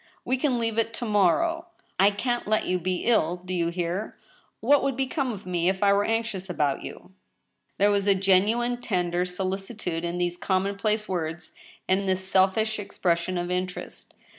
' We can leave it to morrow. I can't let you be ill — do you hear? What would become of me if I were anxious about you ?" There was genuine, tender solicitude in these commonplace words and this selfish expression of interest.